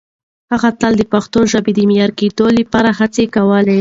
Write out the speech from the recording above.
هغه تل د پښتو ژبې د معیاري کېدو لپاره هڅې کولې.